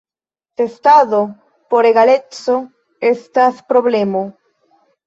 Testado por egaleco estas problema.